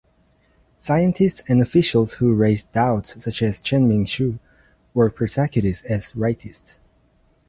Scientists and officials who raised doubts, such as Chen Mingshu, were persecuted as rightists.